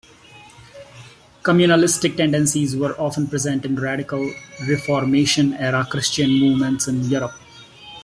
Communalistic tendencies were often present in radical Reformation-era Christian movements in Europe.